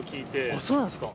あっそうなんですか。